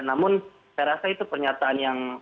namun saya rasa itu pernyataan yang